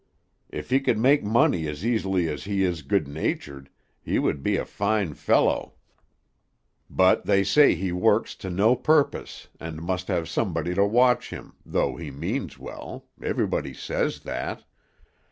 If he could make money as easily as he is good natured, he would be a fine fellow; but they say he works to no purpose, and must have somebody to watch him, though he means well, everybody says that.